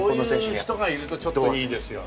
そういう人がいるとちょっといいですよ。